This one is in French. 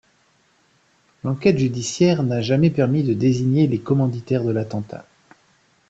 L’enquête judiciaire n’a jamais permis de désigner les commanditaires de l’attentat.